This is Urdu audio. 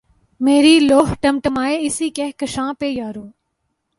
میری لؤ ٹمٹمائے اسی کہکشاں پہ یارو